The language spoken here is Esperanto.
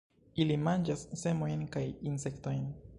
Ili manĝas semojn kaj insektojn.